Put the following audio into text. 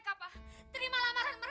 tuanku tidak berardah